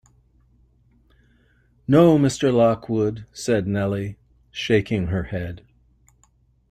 ‘No, Mr. Lockwood,’ said Nelly, shaking her head.